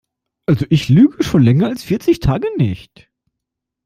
Also ich lüge schon länger als vierzig Tage nicht.